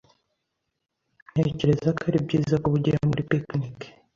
Ntekereza ko ari byiza kuba ugiye muri picnic.